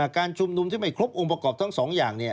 การชุมนุมที่ไม่ครบองค์ประกอบทั้งสองอย่าง